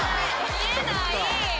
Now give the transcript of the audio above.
見えない！